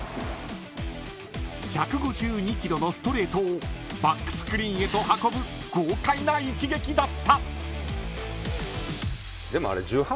［１５２キロのストレートをバックスクリーンへと運ぶ］でもあれ。